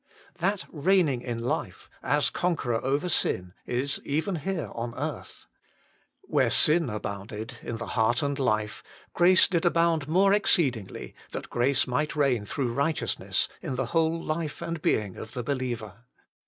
That reign ing in life, as conqueror over sin, is even here on earth. " Where sin abounded " in the heart and life, "grace did abound more exceedingly, that grace might reign through righteousness " in the WHO SHALL DELIVER? 87 whole life and being of the believer.